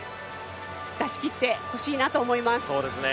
出しきってほしいなと思います。